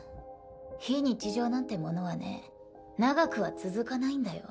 非日常なんてものはね長くは続かないんだよ。